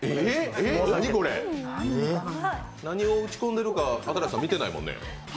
何を打ち込んでるか新子さん、見てないもんね。